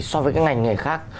so với cái ngành nghề khác